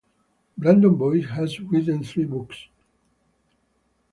Brandon Boyd has written three books.